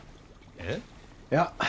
えっ？いや。